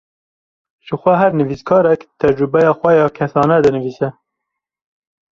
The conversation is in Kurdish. Jixwe her nivîskarek, tecrubeya xwe ya kesane dinivîse